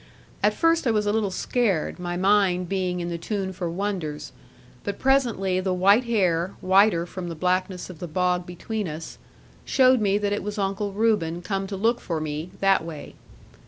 At first I was a little scared, my mind being in the tune for wonders; but presently the white hair, whiter from the blackness of the bog between us, showed me that it was Uncle Reuben come to look for me, that way.